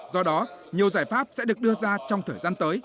do đó nhiều giải pháp sẽ được đưa ra trong thời gian tới